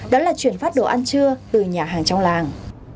đó là chuyển phát đồ ăn trưa từ nhà hàng trong làng